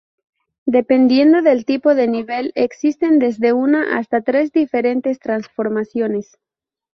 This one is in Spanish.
Dependiendo del tipo de nivel, existen desde una hasta tres diferentes transformaciones.